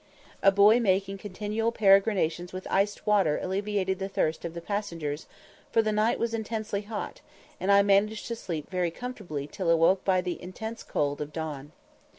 A boy making continual peregrinations with iced water alleviated the thirst of the passengers, for the night was intensely hot, and I managed to sleep very comfortably till awoke by the intense cold of dawn.